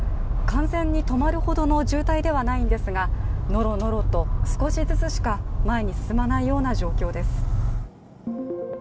完全に止まるほどの渋滞ではないんですがノロノロと、少しずつしか前に進まないような状況です。